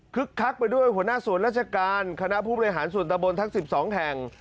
คักไปด้วยหัวหน้าส่วนราชการคณะผู้บริหารส่วนตะบนทั้ง๑๒แห่ง